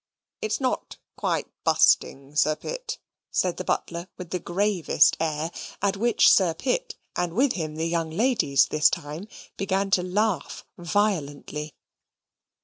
"It's not quite busting, Sir Pitt," said the butler with the gravest air, at which Sir Pitt, and with him the young ladies, this time, began to laugh violently.